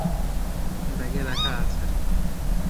ব্যাগে রাখা আছে।